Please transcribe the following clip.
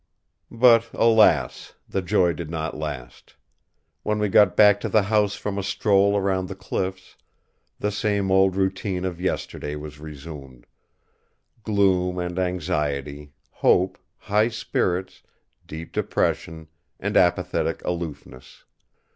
But alas! the joy did not last. When we got back to the house from a stroll around the cliffs, the same old routine of yesterday was resumed: gloom and anxiety, hope, high spirits, deep depression, and apathetic aloofness.